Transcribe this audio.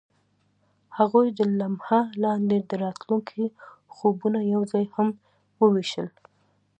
هغوی د لمحه لاندې د راتلونکي خوبونه یوځای هم وویشل.